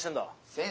「先生」。